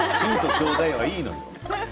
ちょうだいはいいのよ。